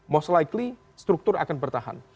most likely struktur akan bertahan